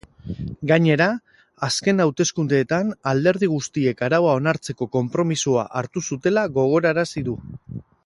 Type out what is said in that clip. Gainera, azken hauteskundeetan alderdi guztiek araua onartzeko konpromisoa hartu zutela gogorarazi du.